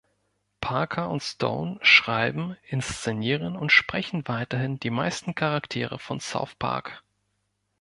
Parker und Stone schreiben, inszenieren und sprechen weiterhin die meisten Charaktere von „South Park“.